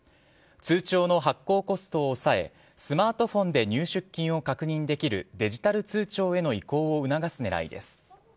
通帳の発行コストを抑えスマートフォンで入出金を確認できるデジタル通帳への移行を促す狙いです。